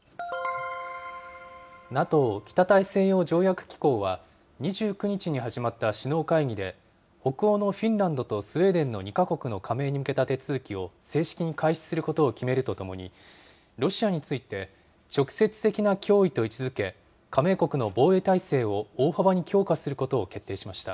ＮＡＴＯ・北大西洋条約機構は、２９日に始まった首脳会議で、北欧のフィンランドとスウェーデンの２か国の加盟に向けた手続きを正式に開始することを決めるとともに、ロシアについて、直接的な脅威と位置づけ、加盟国の防衛態勢を大幅に強化することを決定